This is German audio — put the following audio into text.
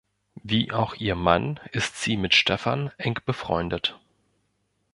Wie auch ihr Mann ist sie mit Stefan eng befreundet.